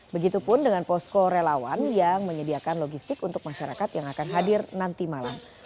begitupun dengan posko relawan yang menyediakan logistik untuk masyarakat yang akan hadir nanti malam